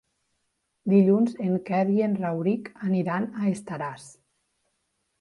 Dilluns en Quer i en Rauric aniran a Estaràs.